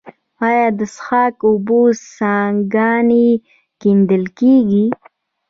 آیا د څښاک اوبو څاګانې کیندل کیږي؟